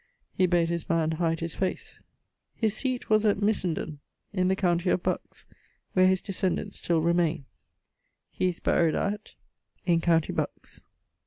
He ... bade his man hide his face.... His seate was at Missenden in the county of Bucks, where his descendents still remaine. He is buried at ... in com. Bucks.